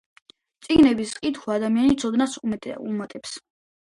წიგნების კითხვა ადამიანს ცოდნას უმატებს.